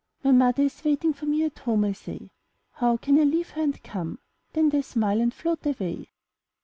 '' *'My mother is waiting for me at home," I say. How can I leave her and come ?'' Then they smile and float away.